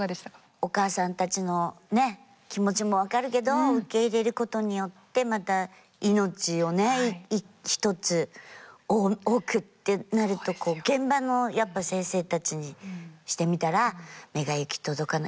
お母さんたちの気持ちも分かるけど受け入れることによってまた命をね一つ多くってなると現場のやっぱ先生たちにしてみたら目が行き届かない。